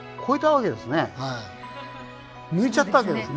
抜いちゃったわけですね。